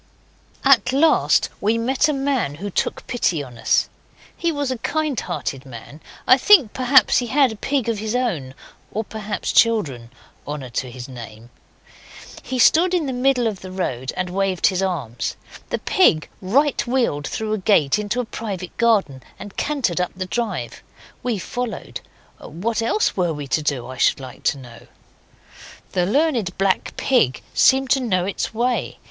At last we met a man who took pity on us. He was a kind hearted man. I think, perhaps, he had a pig of his own or, perhaps, children. Honour to his name! He stood in the middle of the road and waved his arms. The pig right wheeled through a gate into a private garden and cantered up the drive. We followed. What else were we to do, I should like to know? The Learned Black Pig seemed to know its way.